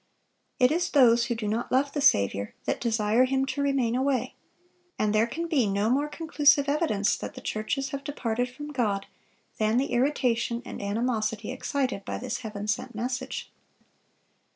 It is those who do not love the Saviour, that desire Him to remain away; and there can be no more conclusive evidence that the churches have departed from God than the irritation and animosity excited by this Heaven sent message.